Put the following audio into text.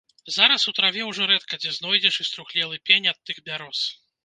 Зараз у траве ўжо рэдка дзе знойдзеш і струхлелы пень ад тых бяроз.